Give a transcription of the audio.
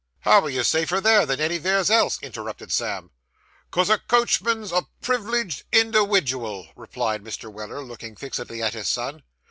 'How are you safer there than anyveres else?' interrupted Sam. ''Cos a coachman's a privileged indiwidual,' replied Mr. Weller, looking fixedly at his son.